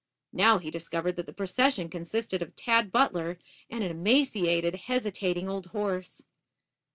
Now he discovered that the procession consisted of Tad Butler and an emaciated, hesitating old horse.